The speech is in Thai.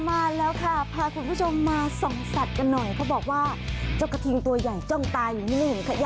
มาแล้วค่ะพาคุณผู้ชมมาส่องสัตว์กันหน่อย